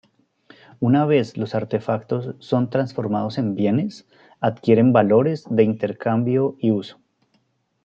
Una vez los artefactos son transformados en bienes, adquieren valores de intercambio y uso.